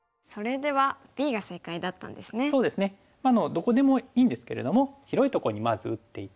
どこでもいいんですけれども広いところにまず打っていて。